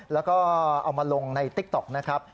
แล้วก็เอามาลงในติ๊กต๊อกนะครับ